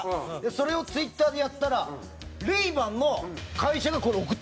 それをＴｗｉｔｔｅｒでやったらレイバンの会社がこれ送ってくれたの。